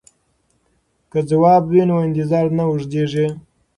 که ځواب وي نو انتظار نه اوږدیږي.